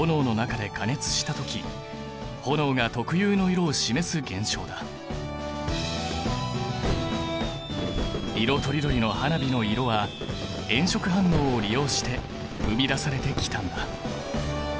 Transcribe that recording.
こうした現象が色とりどりの花火の色は炎色反応を利用して生み出されてきたんだ。